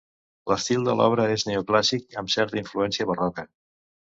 L'estil de l'obra és neoclàssic amb certa influència barroca.